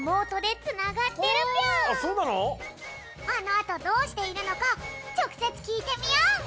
あのあとどうしているのかちょくせつきいてみよう！